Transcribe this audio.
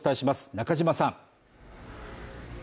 中島さん。